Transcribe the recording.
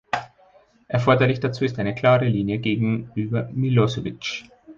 Erforderlich dazu ist eine klare Linie gegenüber Milosevic.